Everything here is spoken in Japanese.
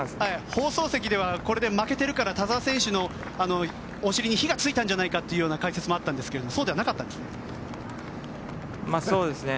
放送席では、これで負けてるから田澤選手のお尻に火がついたんじゃないかという解説もあったんですがそうじゃなかったんですね。